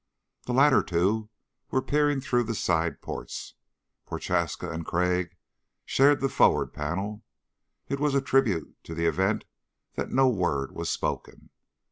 The latter two were peering through the side ports. Prochaska and Crag shared the forward panel. It was a tribute to the event that no word was spoken.